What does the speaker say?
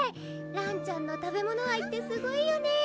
らんちゃんの食べ物愛ってすごいよね